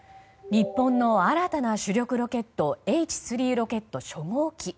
日本の新たな主力ロケットＨ３ロケット初号機。